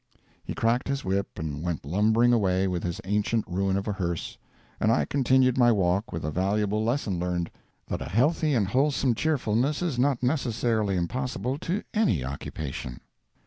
He cracked his whip and went lumbering away with his ancient ruin of a hearse, and I continued my walk with a valuable lesson learned—that a healthy and wholesome cheerfulness is not necessarily impossible to any occupation.